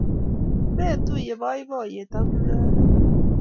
Metuye boiboiyet ak mungaret